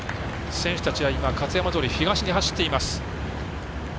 選手たちは勝山通東に走ってます。